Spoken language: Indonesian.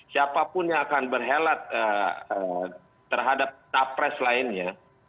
siapapun yang akan berhelat terhadap capres lainnya